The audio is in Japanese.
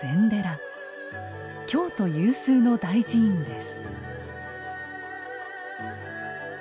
京都有数の大寺院です。